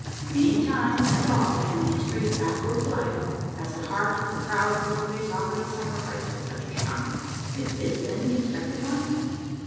Many a time and oft, in the history of backwoods life, has the heart of the proud pale face offered sacrifice at such a shrine. Is this, then, the expected one?